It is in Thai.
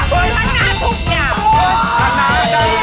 สุโคไทยครับสุโคไทยครับสุโคไทยครับ